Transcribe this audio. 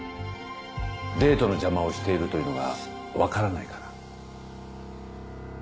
デートの邪魔をしているというのが分からないかな？